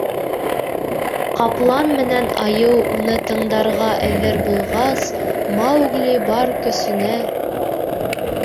Ҡаплан менән айыу уны тыңдарға әҙер булғас, Маугли бар көсөнә: